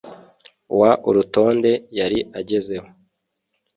w urutonde yari agezeho